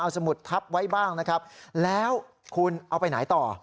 เอาสมุทรทัพไว้บ้างแล้วคุณเอาไปไหนต่อ